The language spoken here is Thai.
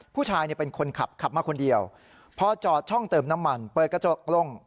ผู้ชายเป็นคนขับขับมาคนเดียวพอจอดช่องเติมน้ำมันเปิดกระจกลง